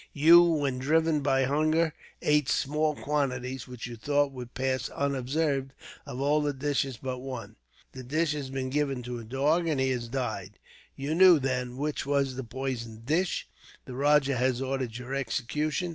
You, when driven by hunger, ate small quantities, which you thought would pass unobserved, of all the dishes but one. That dish has been given to a dog, and he has died. You knew, then, which was the poisoned dish. The rajah has ordered your execution.